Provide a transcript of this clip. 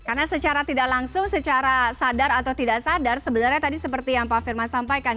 karena secara tidak langsung secara sadar atau tidak sadar sebenarnya tadi seperti yang pak ferman sampaikan